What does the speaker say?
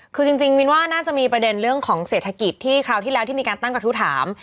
คือจริงมินว่าน่าจะมีประเด็นเรื่องของเศรษฐกิจที่คราวที่แล้วที่มีการตั้งกระทู้ถาม